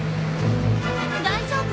大丈夫？